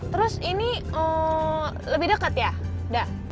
terus ini lebih dekat ya